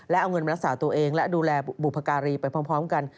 และเอาเงินมารักษาตัวเองและดูแลบุพการีไปพร้อมกัน